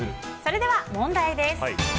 それでは問題です。